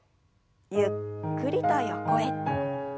ゆっくりと横へ。